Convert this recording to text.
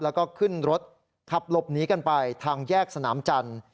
แล้วก็ขึ้นรถขับหลบหนีกันไปทางแยกสนามจันทร์